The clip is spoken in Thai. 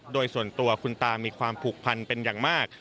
โดยส่วนตัวคุณตามีความผูกพันเป็นอย่างมาก